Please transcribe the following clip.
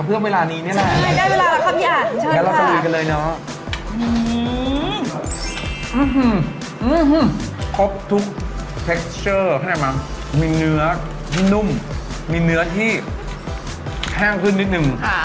อื้อหือครบทุกเทคเชอร์มีเนื้อที่นุ่มมีเนื้อที่แห้งขึ้นนิดนึง